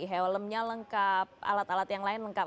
helmnya lengkap alat alat yang lain lengkap